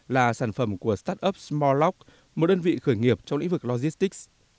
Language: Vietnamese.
là sản phẩm của startup small lock một đơn vị khởi nghiệp trong lĩnh vực logistics